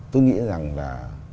tôi nghĩ rằng là